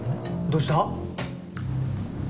どうした？